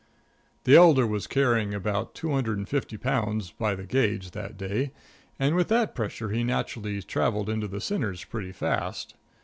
The elder was carrying about two hundred and fifty pounds, by the gauge, that day, and with that pressure he naturally traveled into the sinners pretty fast.